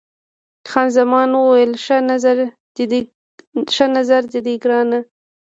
خان زمان وویل، ښه نظر دی ګرانه.